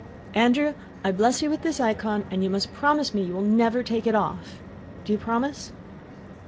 "Andrew, I bless you with this icon and you must promise me you will never take it off. Do you promise?"